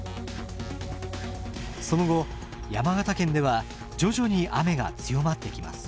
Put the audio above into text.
その後山形県では徐々に雨が強まってきます。